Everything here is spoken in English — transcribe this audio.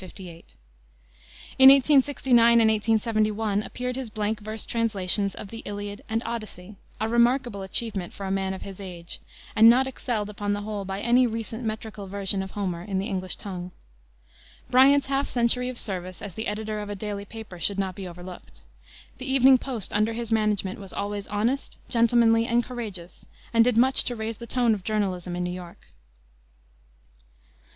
In 1869 and 1871 appeared his blank verse translations of the Iliad and Odyssey, a remarkable achievement for a man of his age, and not excelled, upon the whole, by any recent metrical version of Homer in the English tongue. Bryant's half century of service as the editor of a daily paper should not be overlooked. The Evening Post, under his management, was always honest, gentlemanly, and courageous, and did much to raise the tone of journalism in New York.